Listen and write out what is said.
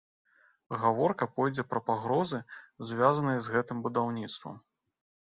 Гаворка пойдзе пра пагрозы, звязаныя з гэтым будаўніцтвам.